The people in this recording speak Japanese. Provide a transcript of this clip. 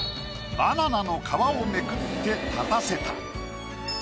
バナナの皮をめくって立たせた。